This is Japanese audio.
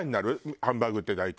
ハンバーグって大体。